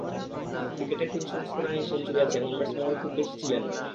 ক্রিকেটের তিন সংস্করণেই সেঞ্চুরি আছে, এমন ব্যাটসম্যান খুব বেশি ছিলেন না।